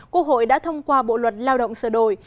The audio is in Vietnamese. quốc hội đã thông qua bộ luật lao động sửa đổi